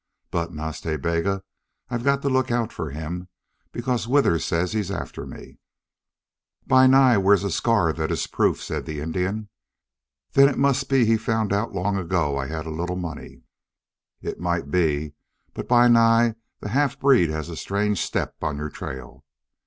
But, Nas Ta Bega, I've got to look out for him, because Withers says he's after me." "Bi Nai wears a scar that is proof," said the Indian. "Then it must be he found out long ago I had a little money." "It might be. But, Bi Nai, the half breed has a strange step on your trail."